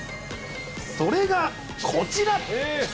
それがこちら。